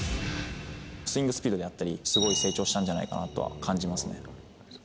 スイングスピードであったり、すごい成長したんじゃないかなとは感じますね。